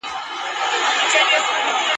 په غزل کي مي هر توری نا آرام سو !.